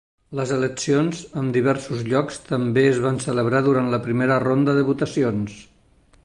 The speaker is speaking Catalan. Les eleccions amb diversos llocs també es van celebrar durant la primera ronda de votacions.